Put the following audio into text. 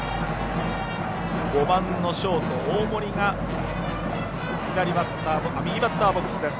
５番、ショートの大森が右バッターボックスです。